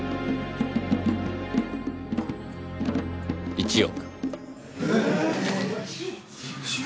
１億。